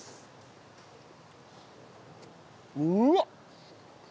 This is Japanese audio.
うわっ！